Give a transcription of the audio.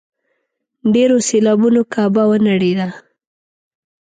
ډېرو سېلابونو کعبه ونړېده.